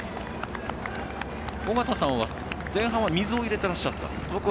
尾方さんは前半は水を入れてらっしゃった？